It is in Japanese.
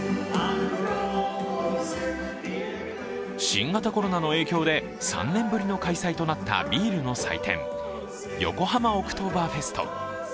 新型コロナの影響で３年ぶりの開催となったビールの祭典、横浜オクトーバーフェスト。